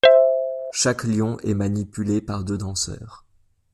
Chaque lion est manipulé par deux danseurs.